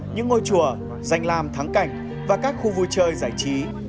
những ngôi chùa danh làm thắng cảnh và các khu vui chơi giải trí